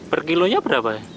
per kilonya berapa ya